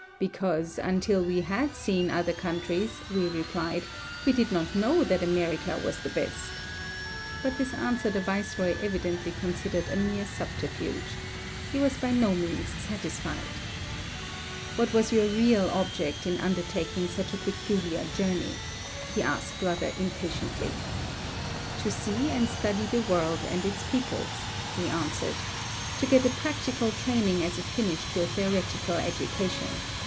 "Because until we had seen other countries," we replied, "we did not know that America was the best." But this answer the viceroy evidently considered a mere subterfuge. He was by no means satisfied. "What was your real object in undertaking such a peculiar journey?" he asked rather impatiently. "To see and study the world and its peoples," we answered; "to get a practical training as a finish to a theoretical education.